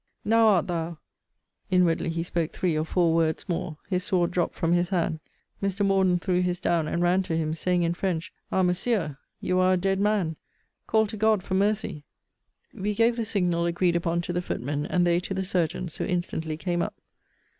Now art thou inwardly he spoke three or four words more. His sword dropt from his hand. Mr. Morden threw his down, and ran to him, saying in French Ah, Monsieur! you are a dead man! Call to God for mercy! We gave the signal agreed upon to the footmen; and they to the surgeons; who instantly came up.